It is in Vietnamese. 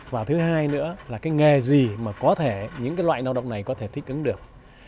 và thứ hai nữa là cái nghề gì mà có thể những cái loại lao động này có thể thích ứng được